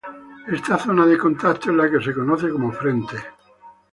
Esta zona de contacto es la que se conoce como frente.